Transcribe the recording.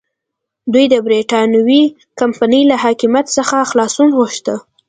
دوی د برېټانوي کمپنۍ له حاکمیت څخه خلاصون غوښته.